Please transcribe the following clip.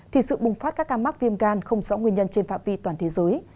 thì sự bùng phát các ca mắc viêm gan không rõ nguyên nhân trên phạm vi toàn thế giới